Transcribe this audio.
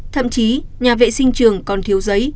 thậm chí nhà vệ sinh trường còn thiếu giấy